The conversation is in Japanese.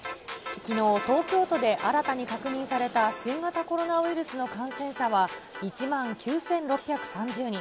きのう、東京都で新たに確認された新型コロナウイルスの感染者は、１万９６３０人。